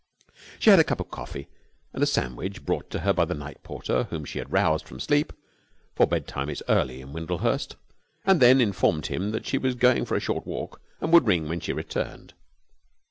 She had a cup of coffee and a sandwich brought to her by the night porter, whom she had roused from sleep, for bedtime is early in Windlehurst, and then informed him that she was going for a short walk and would ring when she returned.